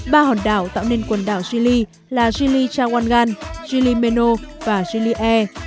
ba hòn đảo tạo nên quần đảo gili là gili chawangan gili meno và gili e